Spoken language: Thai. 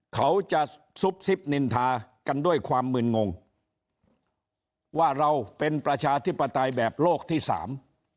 เขาจะซุบซิบนินทากันด้วยความมืนงงว่าเราเป็นประชาธิปไตยแบบโลกที่สาม